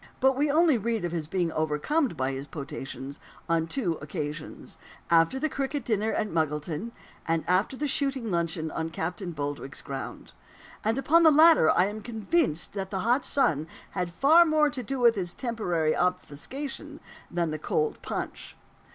But we only read of his being overcome by his potations on two occasions; after the cricket dinner at Muggleton, and after the shooting luncheon on Captain Boldwig's ground. And upon the latter occasion I am convinced that the hot sun had far more to do with his temporary obfuscation than the cold punch.